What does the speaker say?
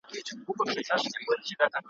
د رنځ علاج مو یو دی، یو مو دی درمان وطنه `